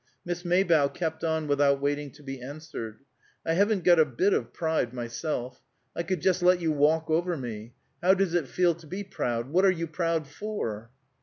Miss Maybough kept on without waiting to be answered: "I haven't got a bit of pride, myself. I could just let you walk over me. How does it feel to be proud? What are you proud for?"